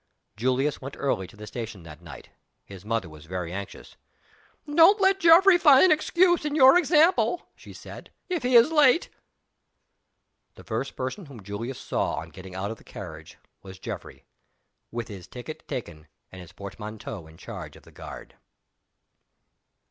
Julius went early to the station that night. His mother was very anxious. "Don't let Geoffrey find an excuse in your example," she said, "if he is late." The first person whom Julius saw on getting out of the carriage was Geoffrey with his ticket taken, and his portmanteau in charge of the guard.